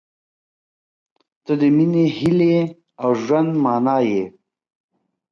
• ته د مینې، هیلې، او ژوند معنی یې.